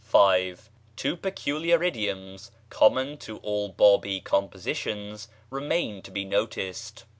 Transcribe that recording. [page xlviii] (5) Two peculiar idioms common to all Bábí compositions remain to be noticed.